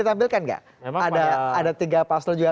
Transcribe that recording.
ditampilkan nggak ada tiga paslon juga